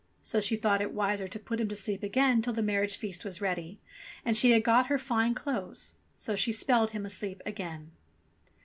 So she thought it wiser to put him to sleep again till the marriage feast was ready, and she had got her fine clothes. So she spelled him asleep again.